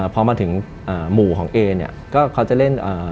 พอมาถึงหมู่ของเอค่าจะเล่น